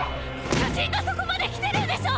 巨人がそこまで来てるんでしょ